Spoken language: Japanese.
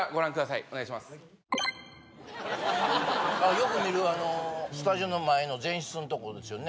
よく見るスタジオの前の前室のところですよね